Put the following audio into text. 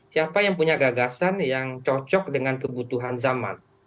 siapa yang punya gagasan yang cocok dengan kebutuhan zaman